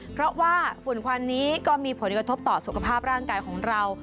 เพราะว่าฝุ่นควันนี้ก็มีผลกระทบต่อสุขภาพร่างกายของเรา